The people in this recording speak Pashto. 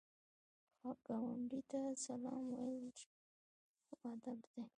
ګاونډي ته سلام ویل ښو ادب دی